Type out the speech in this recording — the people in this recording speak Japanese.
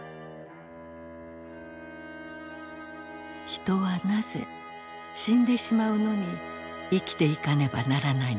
人はなぜ死んでしまうのに生きていかねばならないのか？